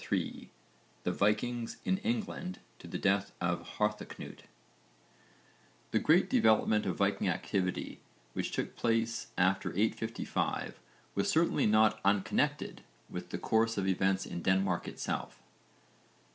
CHAPTER III THE VIKINGS IN ENGLAND TO THE DEATH OF HARTHACNUT The great development of Viking activity which took place after 855 was certainly not unconnected with the course of events in Denmark itself.